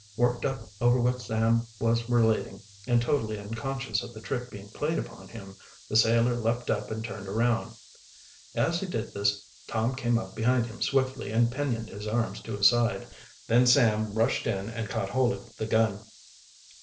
Worked up over what Sam was relating, and totally unconscious of the trick being played upon him, the sailor leaped up and turned around. As he did this, Tom came up behind him swiftly and pinioned his arms to his side. Then Sam rushed in and caught hold of the gun.